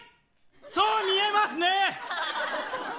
そう見えますね。